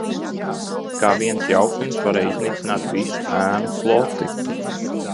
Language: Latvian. Kā viens jauktenis varēja iznīcināt visu Ēnu floti?